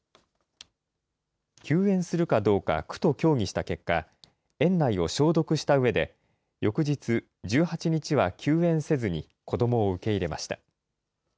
休園するかどうか区と協議した結果、園内を消毒したうえで、翌日、１８日は休園せずに子どもを受け入れました。